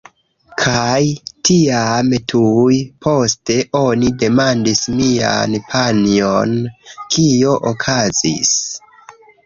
Kaj tiam, tuj poste, oni demandis mian panjon "kio okazis?"